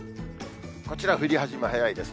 こちら、降り始め早いです。